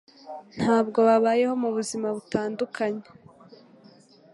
Nubwo babayeho mubuzima butandukanye